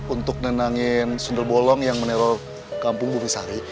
untuk nenangin sundel bolong yang menerol kampung bumisari